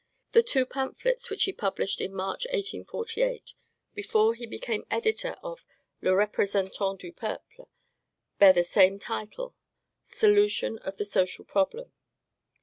The two pamphlets, which he published in March, 1848, before he became editor of "Le Representant du Peuple," bear the same title, "Solution of the Social Problem."